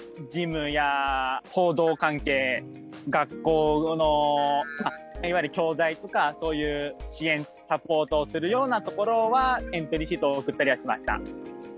事務や報道関係学校のいわゆる教材とかそういう支援サポートをするようなところはエントリーシートを送ったりはしました。